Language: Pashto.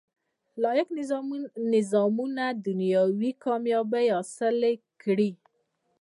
لاییک نظامونه دنیوي کامیابۍ حاصلې کړي.